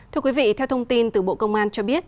thưa quý vị theo thông tin từ bộ công an cho biết